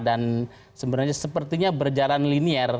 dan sebenarnya sepertinya berjalan linier